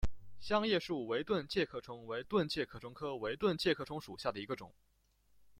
香叶树围盾介壳虫为盾介壳虫科围盾介壳虫属下的一个种。